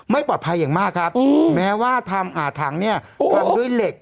ไม่ปลอดภัยอย่างมากครับแม้ว่าทำถังเนี่ยทำด้วยเหล็ก